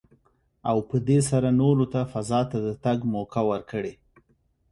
او په دې سره نورو ته فضا ته د تګ موکه ورکړي.